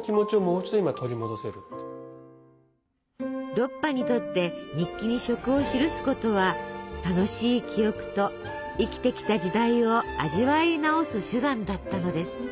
ロッパにとって日記に食を記すことは楽しい記憶と生きてきた時代を味わい直す手段だったのです。